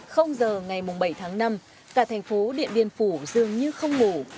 giờ ngày bảy tháng năm cả thành phố điện biên phủ dường như không ngủ